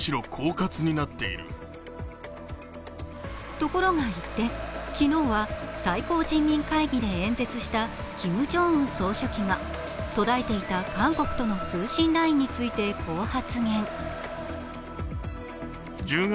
ところが一転、昨日は最高人民会議で演説したキム・ジョンウン総書記が途絶えていた韓国との通信ラインについてこう発言。